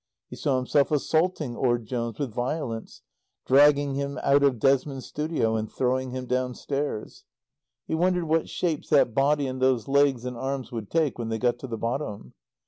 He saw himself assaulting Orde Jones with violence, dragging him out of Desmond's studio, and throwing him downstairs. He wondered what shapes that body and those legs and arms would take when they got to the bottom.